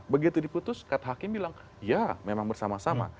begitu diputus kad hakim bilang ya memang bersama sama